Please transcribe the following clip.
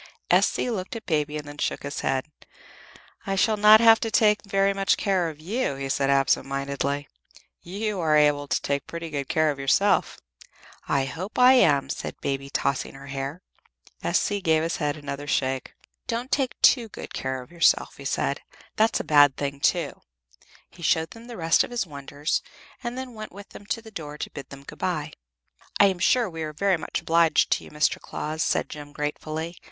S.C. looked at Baby and then shook his head. "I shall not have to take very much care of you," he said, absent mindedly. "You are able to take pretty good care of yourself." "I hope I am," said Baby, tossing her head. S.C. gave his head another shake. "Don't take too good care of yourself," he said. "That's a bad thing, too." He showed them the rest of his wonders, and then went with them to the door to bid them good bye. "I am sure we are very much obliged to you, Mr. Claus," said Jem, gratefully.